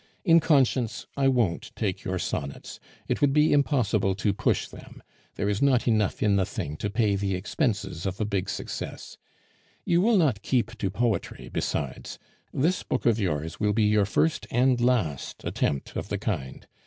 In conscience, I won't take your sonnets. It would be impossible to push them; there is not enough in the thing to pay the expenses of a big success. You will not keep to poetry besides; this book of yours will be your first and last attempt of the kind.